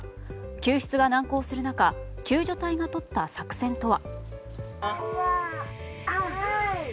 救出が難航する中救助隊がとった作戦とは。